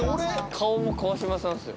顔も川島さんっすよ。